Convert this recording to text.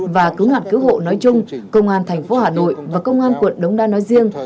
và cứu nạn cứu hộ nói chung công an tp hà nội và công an quận đông đa nói riêng